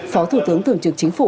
phó thủ tướng thường trực chính phủ